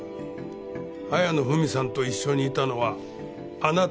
綾野文さんと一緒にいたのはあなたでしょ？